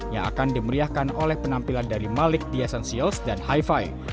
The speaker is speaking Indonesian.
yang akan dimeriahkan oleh penampilan dari malik di essentials dan hi fi